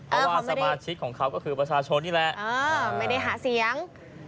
เพราะว่าสมาชิกของเขาก็คือประชาชนนี่แหละไม่ได้หาเสียง